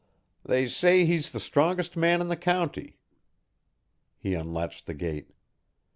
They say he's the strongest man in the county." He unlatched the gate.